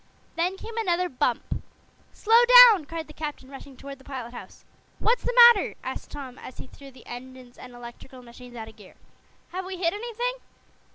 Then came another bump. "Slow down!" cried the captain, rushing toward the pilot house. "What's the matter?" asked Tom, as he threw the engines and electrical machines out of gear. "Have we hit anything?"